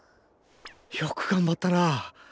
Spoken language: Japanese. よく頑張ったなあ。